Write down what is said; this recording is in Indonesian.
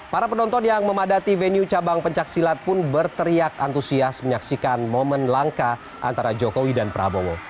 para penonton yang memadati venue cabang pencaksilat pun berteriak antusias menyaksikan momen langka antara jokowi dan prabowo